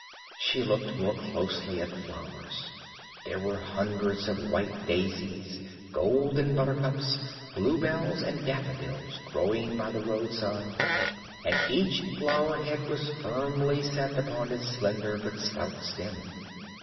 She looked more closely at the flowers. There were hundreds of white daisies, golden buttercups, bluebells and daffodils growing by the roadside, and each flower head was firmly set upon its slender but stout stem.